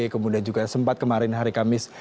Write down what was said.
kemudian juga sempat kemarin hari kamis